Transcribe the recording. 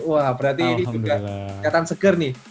wah berarti ini juga kelihatan seger nih